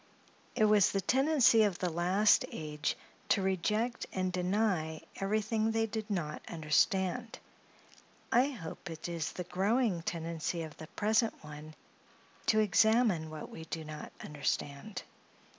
It was the tendency of the last age to reject and deny everything they did not understand; I hope it is the growing tendency of the present one to examine what we do not understand.